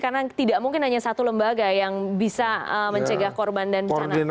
karena tidak mungkin hanya satu lembaga yang bisa mencegah korban dan pencanaan